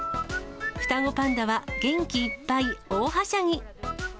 双子パンダは元気いっぱい、大はしゃぎ。